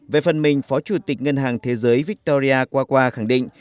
về phần mình phó chủ tịch ngân hàng thế giới victoria qua khẳng định